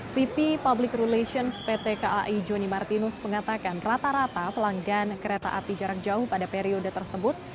vp public relations pt kai joni martinus mengatakan rata rata pelanggan kereta api jarak jauh pada periode tersebut